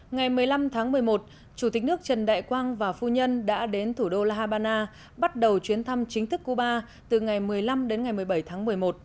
ngày một mươi năm tháng một mươi một chủ tịch nước trần đại quang và phu nhân đã đến thủ đô la habana bắt đầu chuyến thăm chính thức cuba từ ngày một mươi năm đến ngày một mươi bảy tháng một mươi một